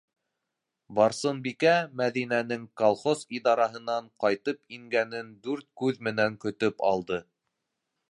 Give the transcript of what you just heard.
Барсынбикә Мәҙинәнең колхоз идараһынан ҡайтып ингәнен дүрт күҙ менән көтөп алды: